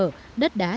đất đá chẳng ra đường